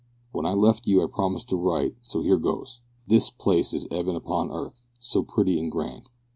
wen i left you i promisd to rite so heer gos. this Plase is eaven upon arth. so pritty an grand.